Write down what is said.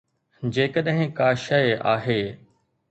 جيڪڏهن ڪا شيءِ آهي.